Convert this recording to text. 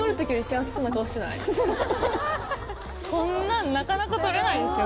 こんなんなかなか撮れないですよ